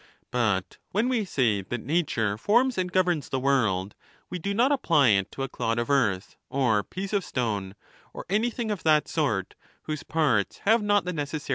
But when we' say that nature forms and governs the world, we do not apply it to a clod of earth, or piece of stone, or anything of that sort, whose parts have not the necessary cohesion,'' but to a tree, in ' The Stoics.